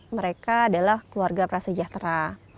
mereka adalah keluarga prasejahtera